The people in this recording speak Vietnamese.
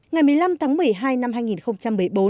ngày một mươi năm tháng một mươi hai năm hai nghìn một mươi bốn